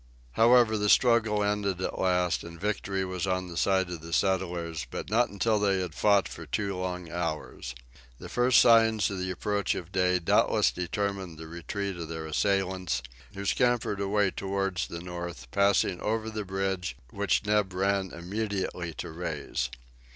However, the struggle was ended at last, and victory was on the side of the settlers, but not until they had fought for two long hours! The first signs of the approach of day doubtless determined the retreat of their assailants, who scampered away towards the North, passing over the bridge, which Neb ran immediately to raise.